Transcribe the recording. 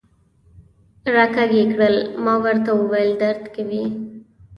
را کږ یې کړل، ما ورته وویل: درد کوي.